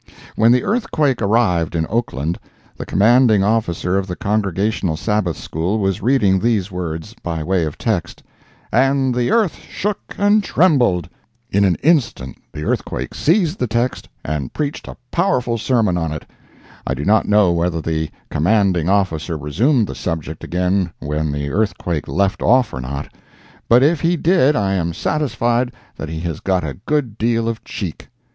When the earthquake arrived in Oakland, the commanding officer of the Congregational Sabbath School was reading these words, by way of text: "And the earth shook and trembled!" In an instant the earthquake seized the text and preached a powerful sermon on it. I do not know whether the commanding officer resumed the subject again where the earthquake left off or not, but if he did I am satisfied that he has got a good deal of "cheek."